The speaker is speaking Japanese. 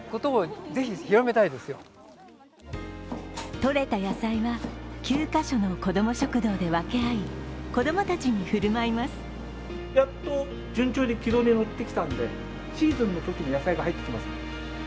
採れた野菜は９カ所の子ども食堂で分け合い子供たちに振る舞います。